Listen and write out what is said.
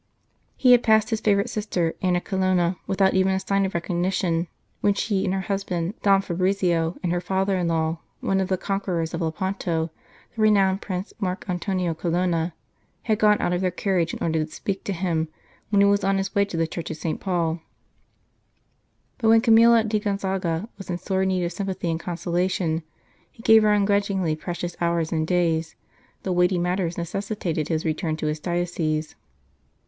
He had passed his favourite sister, Anna Colonna, without even a sign of recognition, when she, with her husband, Don Fabrizio, and her father in law, one of the conquerors of Lepanto, the renowned Prince Marc Antonio Colonna, had got out of their carriage in order to speak to him when he was on his way to the Church of St. Paul ; but when Camilla di Gonzaga was in sore need of sympathy and consolation, he gave her ungrudg ingly precious hours and days, though weighty matters necessitated his return to his diocese.